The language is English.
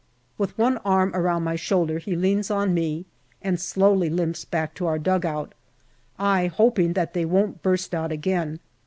With one arm around my shoulder he leans on me and slowly limps back to our dugout, I hoping that they won't burst out again.